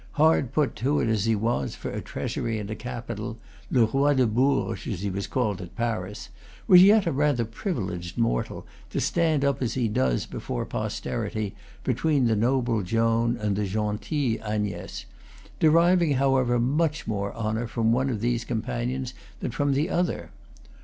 hard put to it as he was for a treasury and a capital, "le roi de Bourges," he was called at Paris, was yet a rather privileged mortal, to stand up as he does before posterity between the noble Joan and the gentille Agnes; deriving, however much more honor from one of these companions than from the other.